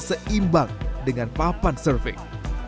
seimbang dengan papan surfing